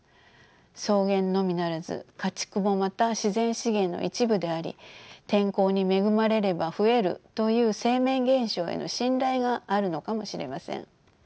草原のみならず家畜もまた自然資源の一部であり天候に恵まれれば増えるという生命現象への信頼があるのかもしれません。